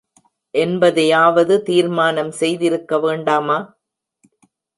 என்பதையாவது தீர்மானம் செய்திருக்க வேண்டாமா?